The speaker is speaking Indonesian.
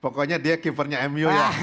pokoknya dia keepernya mu ya